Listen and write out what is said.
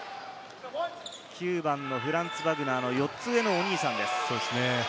９番のフランツ・バグナーの４つ上のお兄さんです。